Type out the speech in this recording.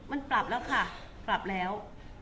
มันปรับแล้วค่ะปรับแล้ว